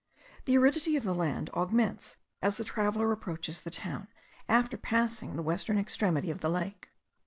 The aridity of the land augments as the traveller approaches the town, after passing the western extremity of the lake.